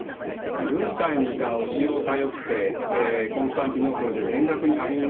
軍隊にいたおじを頼ってコンスタンティノープルで勉学に励みました。